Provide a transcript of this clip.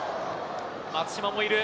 松島もいる。